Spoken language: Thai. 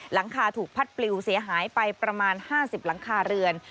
หลังคาถูกพัดปลิวเสียหายไปประมาณ๕๐หลังคาเรือน